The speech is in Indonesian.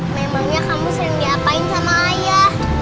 nembaknya kamu sering diapain sama ayah